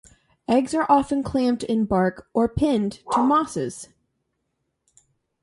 Eggs are often clamped in bark or pinned to mosses.